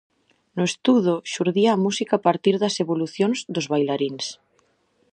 No estudo, xurdía a música a partir das evolucións dos bailaríns.